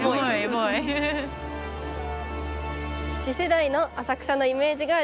次世代の浅草のイメージ